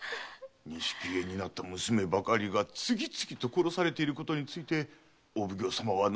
錦絵になった娘ばかりが次々と殺されていることにお奉行様は何と？